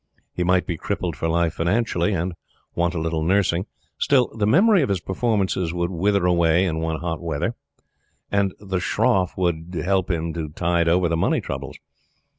He might be crippled for life financially, and want a little nursing. Still the memory of his performances would wither away in one hot weather, and the shroff would help him to tide over the money troubles.